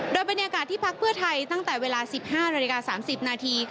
โดยบรรยากาศที่พักเพื่อไทยตั้งแต่เวลา๑๕นาฬิกา๓๐นาที